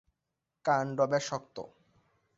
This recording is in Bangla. কাণ্ড বেশ শক্ত।